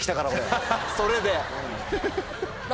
それで。